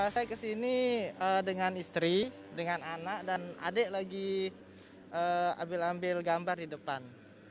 saya kesini dengan istri dengan anak dan adik lagi ambil ambil gambar di depan